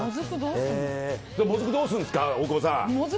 もずく、どうすんですか大久保さん！